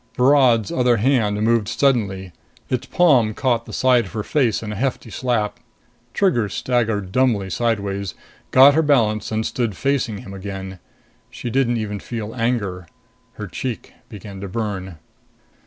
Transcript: Virod's other hand moved suddenly. Its palm caught the side of her face in a hefty slap. Trigger staggered dumbly sideways, got her balance and stood facing him again. She didn't even feel anger. Her cheek began to burn.